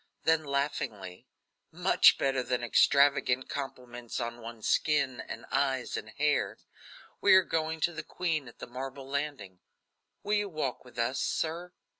Then laughingly: "Much better than extravagant comments on one's skin, and eyes, and hair. We are going to the queen at the marble landing. Will you walk with us, sir?"